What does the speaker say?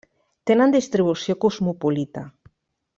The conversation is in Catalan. Tenen distribució cosmopolita.